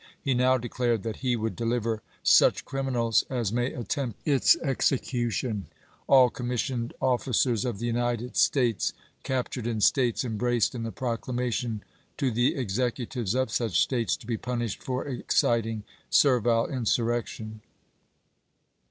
He now declared that he would deliver " such criminals as may attempt its execution "— all commissioned officers of the United States cap tured in States embraced in the proclamation — to the executives of such States, to be punished for exciting servile insurrection.